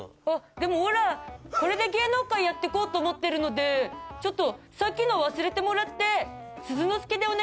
あっでもオラこれで芸能界やっていこうと思ってるのでちょっとさっきの忘れてもらって。